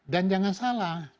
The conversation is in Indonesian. dan jangan salah